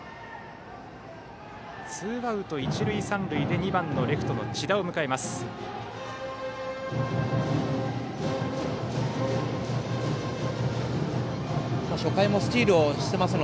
ツーアウト一塁三塁で２番レフト、千田を迎えます。